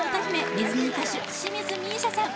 ディズニー歌手清水美依紗さん